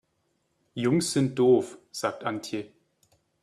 Jungs sind doof, sagt Antje.